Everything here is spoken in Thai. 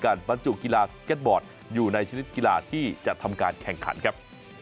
บรรจุกีฬาสเก็ตบอร์ดอยู่ในชนิดกีฬาที่จะทำการแข่งขันครับ